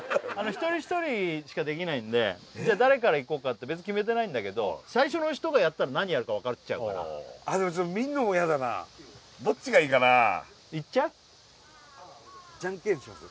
一人一人しかできないんでじゃ誰からいこうかって別に決めてないんだけど最初の人がやったら何やるか分かっちゃうからどっちがいいかなジャンケンします？